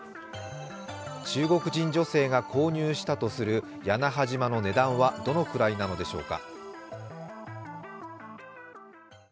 中国人女性が購入したとする屋那覇島の値段はどのくらいなのでしょうか。